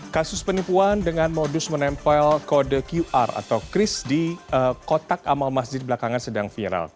kasus penipuan dengan modus menempel kode qr atau kris di kotak amal masjid belakangan sedang viral